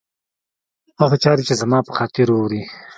هغه چاري چي زما پر خاطر اوري